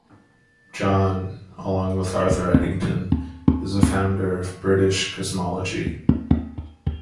Jeans, along with Arthur Eddington, is a founder of British cosmology.